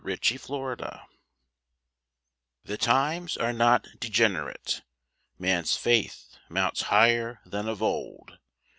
=The Times= The times are not degenerate. Man's faith Mounts higher than of old.